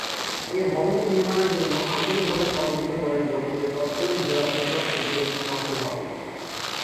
এ ভবনটি নির্মাণের জন্য আন্তরিকভাবে সহযোগিতা করেন বরিশালের তৎকালীন জেলা প্রশাসক এটিএম শামসুল হক।